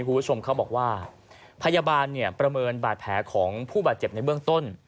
คุณผู้ชมเขาบอกว่าพยาบาลเนี่ยประเมินบาดแผลของผู้บาดเจ็บในเบื้องต้น